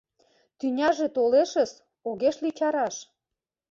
Тӱняже толешыс, огеш лий чараш.